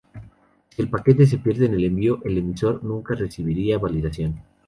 Si el paquete se pierde en el envío, el emisor nunca recibiría validación.